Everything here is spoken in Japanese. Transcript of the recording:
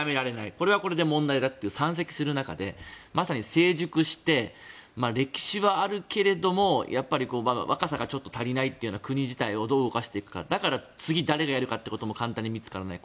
これはこれで問題だというのが山積する中でまさに成熟して歴史はあるけれども若さがちょっと足りないという国自体をどう動かしていくかだから、次、誰がやるかも簡単に見つからない。